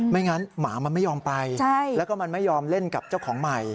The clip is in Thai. งั้นหมามันไม่ยอมไปแล้วก็มันไม่ยอมเล่นกับเจ้าของใหม่